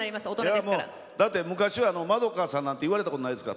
昔は円さんなんて言われたことないですから。